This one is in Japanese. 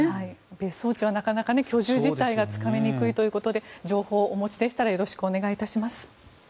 別荘地はなかなか居住実態がつかみにくいということで情報をお持ちでしたらお願いします。